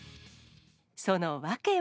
その訳は。